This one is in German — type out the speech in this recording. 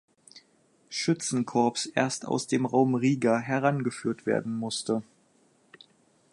Schützenkorps erst aus den Raum Riga herangeführt werden musste.